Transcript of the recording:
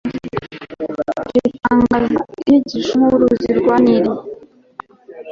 ritangaza inyigisho nk'uruzi rwa nili